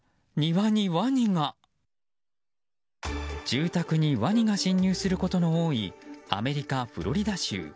住宅にワニが侵入することの多いアメリカ・フロリダ州。